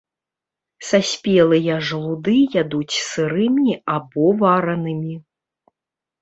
Саспелыя жалуды ядуць сырымі або варанымі.